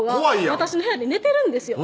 私の部屋で寝てるんですよ